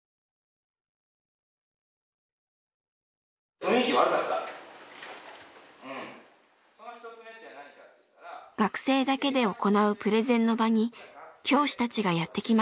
学生だけで行うプレゼンの場に教師たちがやって来ました。